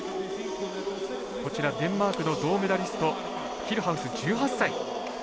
デンマークの銅メダリストヒルハウス、１８歳。